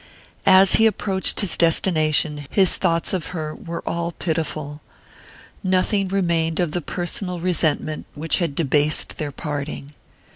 As he approached his destination, his thoughts of her were all pitiful: nothing remained of the personal resentment which had debased their parting.